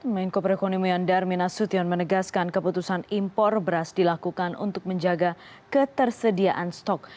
menko perekonomian darmina sution menegaskan keputusan impor beras dilakukan untuk menjaga ketersediaan stok